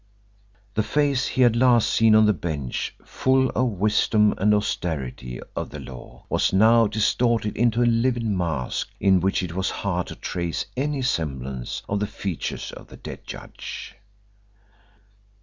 The face he had last seen on the Bench full of wisdom and austerity of the law was now distorted into a livid mask in which it was hard to trace any semblance of the features of the dead judge.